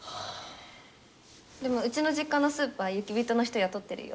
でもうちの実家のスーパー雪人の人雇ってるよ。